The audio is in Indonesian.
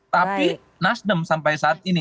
tapi nasdem sampai saat ini